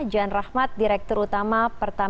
jan rahmat direktur utama